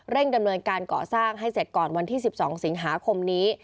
ดำเนินการก่อสร้างให้เสร็จก่อนวันที่๑๒สิงหาคมนี้